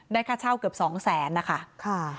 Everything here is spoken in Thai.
ค่าเช่าเกือบ๒แสนนะคะ